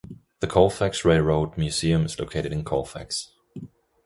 The Colfax Railroad Museum is located in Colfax.